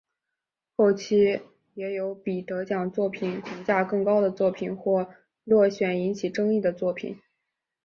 后期也有比得奖作品评价更高的作品或落选引起争议的作品。